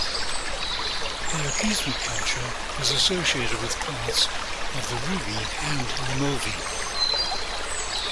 The Oksywie culture is associated with parts of the Rugii and Lemovii.